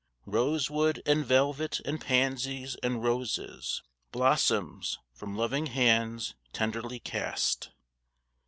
Rosewood, and velvet, and pansies, and roses, Blossoms from loving hands tenderly cast.